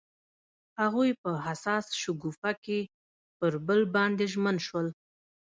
هغوی په حساس شګوفه کې پر بل باندې ژمن شول.